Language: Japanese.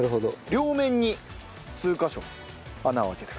両面に数カ所穴を開けてください。